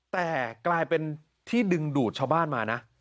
แต่กลายเป็นที่ดึงดูดชาวบ้านมานะ